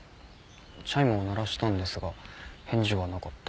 チャイムを鳴らしたんですが返事はなかった。